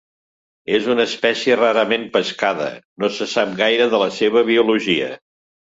És una espècie rarament pescada, no se sap gaire de la seva biologia.